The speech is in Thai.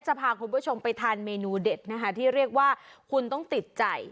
จะพาคุณผู้ชมไปทานเมนูเด็ดนะคะที่เรียกว่าคุณต้องติดใจ